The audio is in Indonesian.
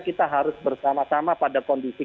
kita harus bersama sama pada kondisi